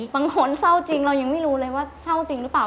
บางคนเศร้าจริงเรายังไม่รู้เลยว่าเศร้าจริงหรือเปล่า